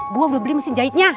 gue udah beli mesin jahitnya